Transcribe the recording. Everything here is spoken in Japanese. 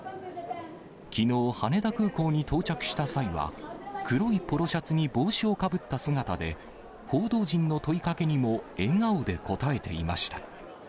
きのう、羽田空港に到着した際は、黒いポロシャツに帽子をかぶった姿で、報道陣の問いかけにも笑顔でこたえていました。